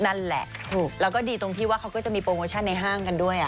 นั่นแหละถูกแล้วก็ดีตรงที่ว่าเขาก็จะมีโปรโมชั่นในห้างกันด้วย